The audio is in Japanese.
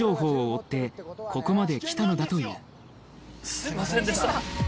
すいませんでした。